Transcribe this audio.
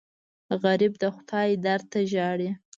غریب د خدای در ته ژاړي